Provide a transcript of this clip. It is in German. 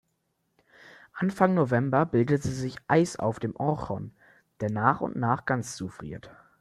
Anfang November bildet sich Eis auf dem Orchon, der nach und nach ganz zufriert.